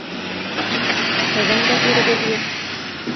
Һеҙҙең дә ирегеҙ юҡ.